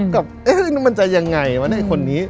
กับเอ๊ะมันจะยังไงวะในคนนี้